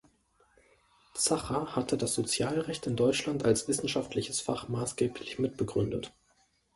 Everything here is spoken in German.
Zacher hatte das Sozialrecht in Deutschland als wissenschaftliches Fach maßgeblich mitbegründet.